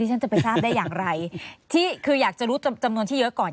ฉันจะไปทราบได้อย่างไรที่คืออยากจะรู้จำนวนที่เยอะก่อน